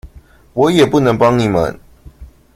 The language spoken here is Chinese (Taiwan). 我也不能幫你們